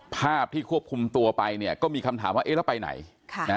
ภาพที่ควบคุมตัวไปเนี่ยก็มีคำถามว่าเอ๊ะแล้วไปไหนค่ะนะฮะ